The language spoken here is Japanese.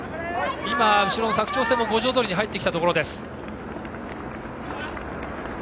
今、後ろの佐久長聖も五条通に入ってきたところです。